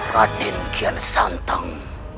raden kian santang